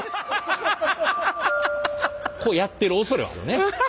こうやってるおそれはあるね。